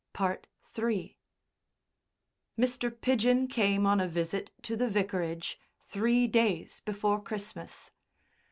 III Mr. Pidgen came on a visit to the vicarage three days before Christmas.